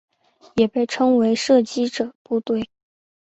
也被称为射击者部队。